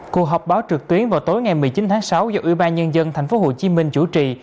cuộc họp báo trực tuyến vào tối ngày một mươi chín tháng sáu do ủy ban nhân dân tp hcm chủ trì